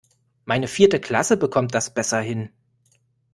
Meine vierte Klasse bekommt das besser hin.